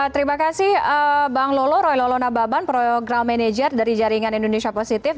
terima kasih bang lolo roy lolo nababan program manager dari jaringan indonesia positif